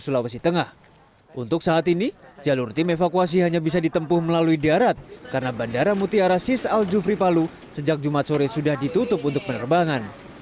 untuk saat ini jalur tim evakuasi hanya bisa ditempuh melalui darat karena bandara mutiara sis al jufri palu sejak jumat sore sudah ditutup untuk penerbangan